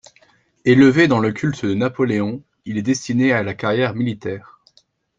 Élevé dans le culte de Napoléon, il est destiné à la carrière militaire.